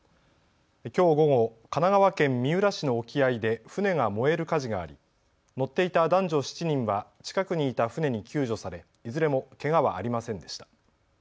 きょう午後、神奈川県三浦市の沖合で船が燃える火事があり乗っていた男女７人は近くにいた船に救助されいずれもけがはありませんでした。